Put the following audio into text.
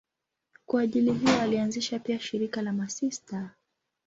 Kwa ajili hiyo alianzisha pia shirika la masista.